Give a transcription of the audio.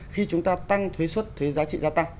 khi chúng ta tăng thuế xuất thuế giá trị gia tăng